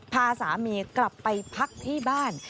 พาสามีกลับไปพักที่บ้าน